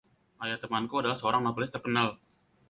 Ayah temanku adalah seorang novelis terkenal.